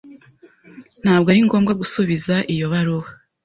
Ntabwo ari ngombwa gusubiza iyo baruwa.